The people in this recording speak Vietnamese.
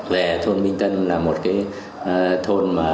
về thôn minh tân là một thôn